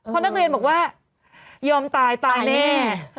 เพราะนักเรียนบอกว่ายอมตายตายแน่